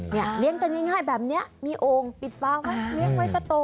เลี้ยงกันง่ายแบบนี้มีโอ่งปิดฟางไว้เลี้ยงไว้ก็โต